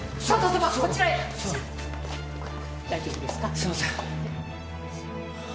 すいません。